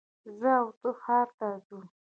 زه او ته ښار ته ځو